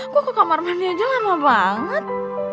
gue ke kamar mandi aja lama banget